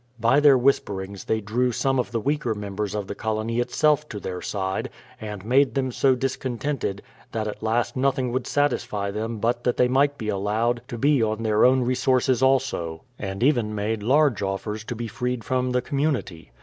By their whisperings they drew some of the w^eaker mem bers of the colony itself to their side, and made them so discontented that at last nothing would satisfy them but that they might be allowed to be on their own resources also, and even made large offers to be freed from the community.